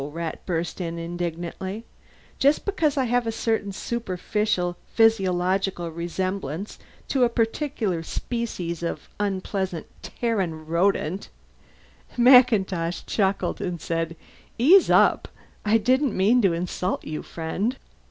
Rat burst in indignantly. "Just because I have a certain superficial physiological resemblance to a particular species of unpleasant Terran rodent " MacIntosh chuckled and said, "Ease up! I didn't mean to insult you, friend!